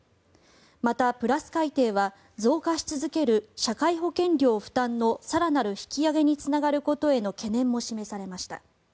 またプラス改定は増加し続ける社会保険料負担の更なる引き上げにつながることへの懸念も示されました。